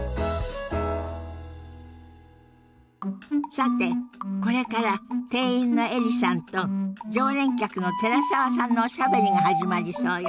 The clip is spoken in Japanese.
さてこれから店員のエリさんと常連客の寺澤さんのおしゃべりが始まりそうよ。